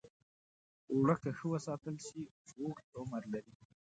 اوړه که ښه وساتل شي، اوږد عمر لري